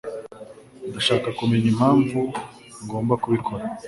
Ndashaka kumenya impamvu ngomba kubikora.